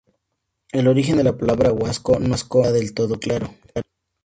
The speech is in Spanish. El origen de la palabra Huasco no está del todo claro.